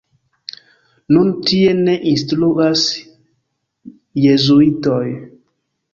Nun tie ne instruas jezuitoj.